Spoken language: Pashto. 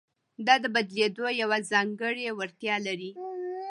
دا د بدلېدو یوه ځانګړې وړتیا لري.